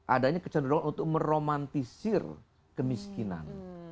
adanya kecenderungan untuk meromantisir kemiskinan